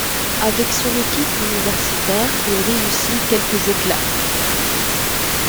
Avec son équipe universitaire, il réussit quelques éclats.